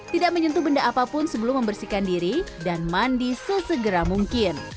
tidak menyentuh benda apapun sebelum membersihkan diri dan mandi sesegera mungkin